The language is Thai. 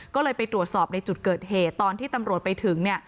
ก็เลยไปตรวจสอบในจุดเกิดเหตุตอนที่ตำรวจไปถึง